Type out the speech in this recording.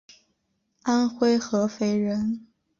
安徽合肥人。